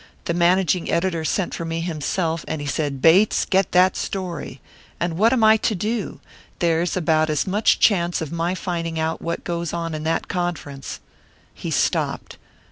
The managing editor sent for me himself, and he said, 'Bates, get that story.' And what am I to do? There's about as much chance of my finding out what goes on in that conference " He stopped.